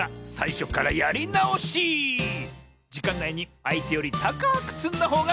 じかんないにあいてよりたかくつんだほうがかちサボよ！